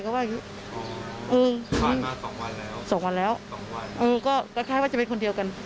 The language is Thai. อ๋อผ่านมา๒วันแล้ว๒วันแล้วก็คล้ายว่าจะเป็นคนเดียวกัน